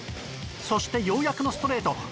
そしてようやくのストレート